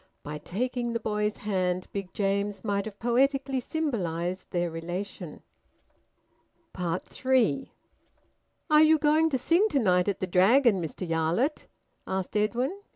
By taking the boy's hand, Big James might have poetically symbolised their relation. THREE. "Are you going to sing to night at the Dragon, Mr Yarlett?" asked Edwin.